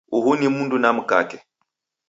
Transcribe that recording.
Uhu ni mundu na mkake